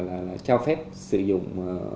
là trao phép sử dụng